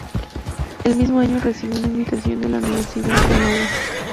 El mismo año recibió una invitación de la Universidad de Iowa.